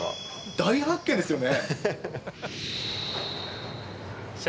大発見ですよね。